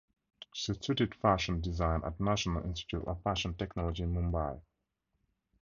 She studied fashion design at National Institute of Fashion Technology in Mumbai.